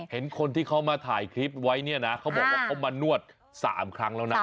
เห็นคนที่เขามาถ่ายคลิปไว้เนี่ยนะเขาบอกว่าเขามานวด๓ครั้งแล้วนะ